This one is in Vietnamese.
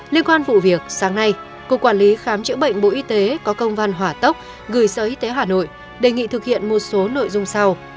liên quan vụ việc sáng nay cục quản lý khám chữa bệnh bộ y tế có công văn hỏa tốc gửi sở y tế hà nội đề nghị thực hiện một số nội dung sau